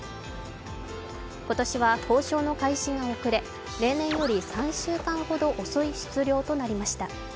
今年は交渉の開始が遅れ、例年より３週間ほど遅い出漁となりました。